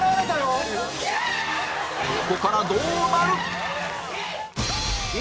ここからどうなる！？